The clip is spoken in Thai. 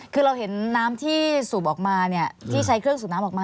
คือเราเห็นน้ำที่สูบออกมาที่ใช้เครื่องสูบน้ำออกมา